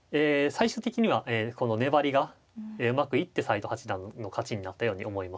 最終的にはこの粘りがうまくいって斎藤八段の勝ちになったように思います。